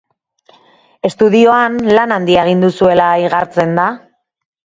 Estudioan lan handia egin duzuela igartzen da.